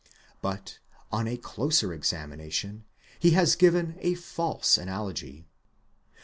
But on a closer examination, he has given a false analogy.